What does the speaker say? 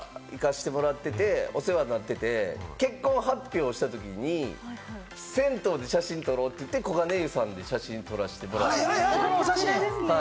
ここね、墨田区錦糸町の辺りにあるんですけど、僕、ここは昔から行かせてもらってて、お世話になってて、結婚発表した時に銭湯で写真撮ろうって言って、黄金湯さんで写真を撮らせてもらって。